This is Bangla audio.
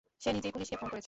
সে নিজেই পুলিশকে ফোন করেছে।